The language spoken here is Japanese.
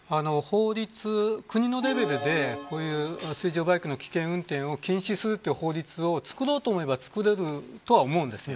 国のレベルで水上バイクの危険運転を禁止するという法律を作ろうと思えば作れると思うんです。